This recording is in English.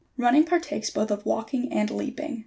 94. Running partakes both of walking and leaping.